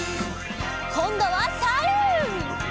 こんどはさる！